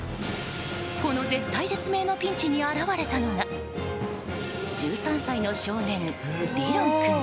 この絶体絶命のピンチに現れたのが１３歳の少年、ディロン君。